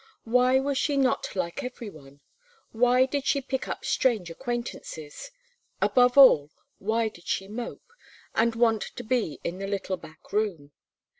Why was she not like every one? Why did she pick up strange acquaintances? above all, why did she mope, and want to be in the little back room?